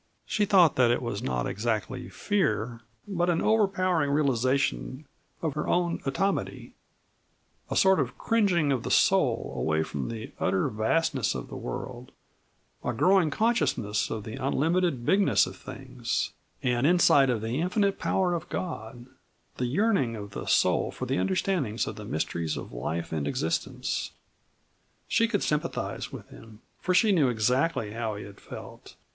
She thought that it was not exactly fear, but an overpowering realization of her own atomity; a sort of cringing of the soul away from the utter vastness of the world; a growing consciousness of the unlimited bigness of things; an insight of the infinite power of God the yearning of the soul for understanding of the mysteries of life and existence. She could sympathize with him, for she knew exactly how he had felt.